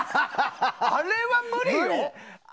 あれは無理だね。